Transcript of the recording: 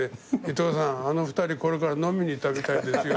「伊東さんあの２人これから飲みに行ったみたいですよ」